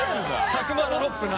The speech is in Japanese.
サクマドロップな。